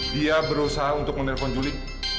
dia berusaha untuk menelpon juli